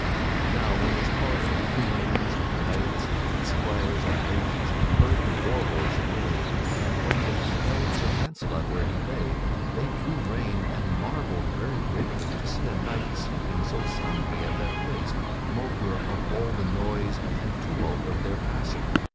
Now when this party of queens, knights, esquires, and ladies heard the war horse neigh, and when they beheld Sir Launcelot where he lay, they drew rein and marvelled very greatly to see a knight sleeping so soundly at that place, maugre all the noise and tumult of their passing.